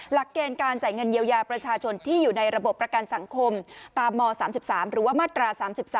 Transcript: หลักเกณฑ์การจ่ายเงินเยียวยาประชาชนที่อยู่ในระบบประกันสังคมตามม๓๓หรือว่ามาตรา๓๓